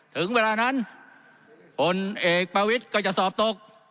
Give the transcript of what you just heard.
ถึงเวลานั้นผลเอกประวิทย์ก็จะสอบตก